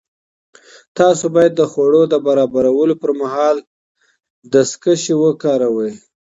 تاسو باید د خوړو د برابرولو پر مهال دستکشې وکاروئ.